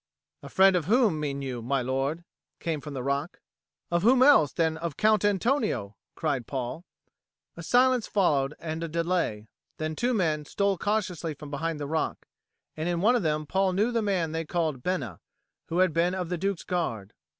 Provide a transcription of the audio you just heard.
"A friend of whom mean you, my lord?" came from the rock. "Of whom else than of Count Antonio?" cried Paul. A silence followed and a delay; then two men stole cautiously from behind the rock, and in one of them Paul knew the man they called Bena, who had been of the Duke's Guard.